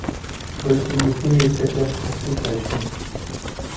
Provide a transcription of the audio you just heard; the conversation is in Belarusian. Толькі не тыя цяпер часы пайшлі.